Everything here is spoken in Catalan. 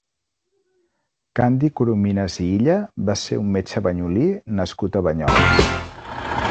Candi Corominas i Illa va ser un metge banyolí nascut a Banyoles.